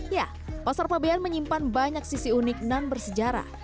ya pasar fabian menyimpan banyak sisi unik dan bersejarah